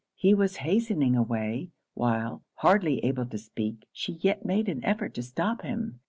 He was hastening away, while, hardly able to speak, she yet made an effort to stop him.